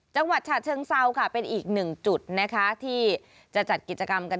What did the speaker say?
จังหวัดฉะเชิงเศร้าเป็นอีก๑จุดที่จะจัดกิจกรรมกัน